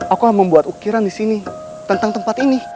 aku membuat ukiran di sini tentang tempat ini